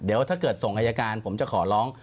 เดี๋ยวถ้าเกิดส่งอายการผมจะขอร้อง